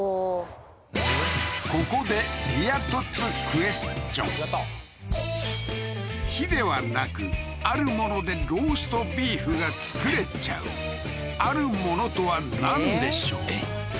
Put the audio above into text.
ここで火ではなくあるものでローストビーフが作れちゃうあるものとはなんでしょう？